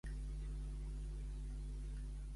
El llum, podries temperar-la?